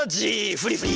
フリフリ。